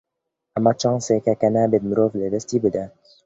ئەمە چانسێکە کە نابێت مرۆڤ لەدەستی بدات.